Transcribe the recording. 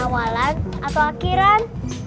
awalan atau akhiran